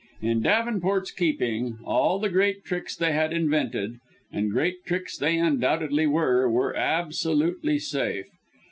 In Davenport's keeping all the great tricks they had invented and great tricks they undoubtedly were were absolutely safe.